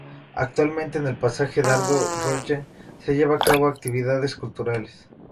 Actualmente, en el Pasaje Dardo Rocha se llevan a cabo actividades culturales.